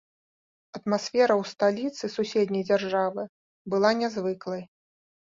Атмасфера ў сталіцы суседняй дзяржавы была нязвыклай.